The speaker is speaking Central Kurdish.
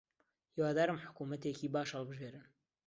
هیوادارم حکوومەتێکی باش هەڵبژێرن.